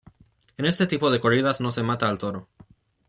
En este tipo de corridas no se mata al toro.